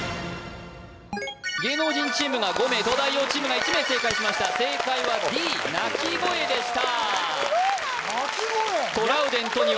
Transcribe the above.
芸能人チームが５名東大王チームが１名正解しました正解はＤ鳴き声でした鳴き声都仁！